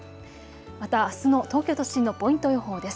また、あすの東京都心のポイント予報です。